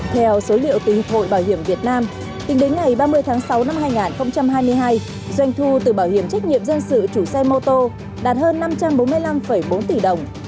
theo số liệu từ hiệp hội bảo hiểm việt nam tính đến ngày ba mươi tháng sáu năm hai nghìn hai mươi hai doanh thu từ bảo hiểm trách nhiệm dân sự chủ xe mô tô đạt hơn năm trăm bốn mươi năm bốn tỷ đồng